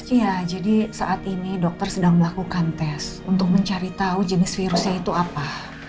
iya jadi saat ini dokter sedang melakukan tes untuk mencari tahu jenis virusnya itu apa